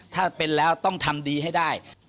ถ้าเป็นแล้วต้องทำดีให้ได้